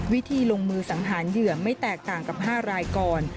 วิธีลงมือสังหารเหยื่อไม่แตกต่างกับ๕รายก่อน